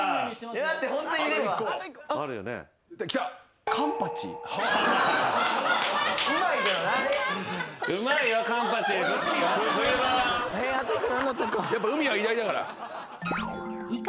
やっぱ海は偉大だから。